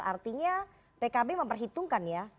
artinya pkb memperhitungkan ya